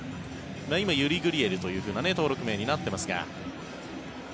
今、ユリ・グリエルという登録名になっていますが。